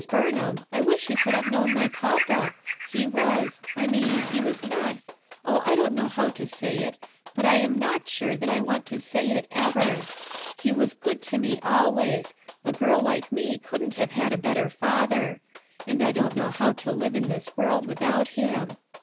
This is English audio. Burnham, I wish you could have known my papa He was — I mean he was not — oh/I don't know how to say it; and I am not sure that I want to say it, ever. " A STUDY " 275 me He was good to me always; a girl like .... couldn't have had a better father; and I don't know how to live in this world without him.